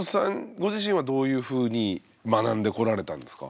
ご自身はどういうふうに学んでこられたんですか？